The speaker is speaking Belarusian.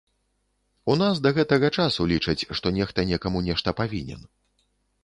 У нас да гэтага часу лічаць, што нехта некаму нешта павінен.